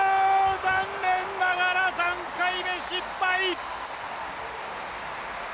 残念ながら３回目失敗。